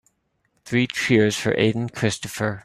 Three cheers for Aden Christopher.